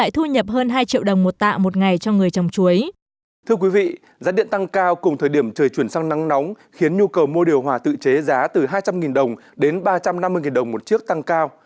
thưa quý vị giá điện tăng cao cùng thời điểm trời chuyển sang nắng nóng khiến nhu cầu mua điều hòa tự chế giá từ hai trăm linh đồng đến ba trăm năm mươi đồng một chiếc tăng cao